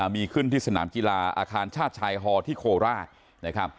มีขึ้นที่สนามกีฬาอาคารชาติชายฮอร์ที่โคลราช